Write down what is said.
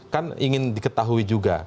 kan ingin diketahui juga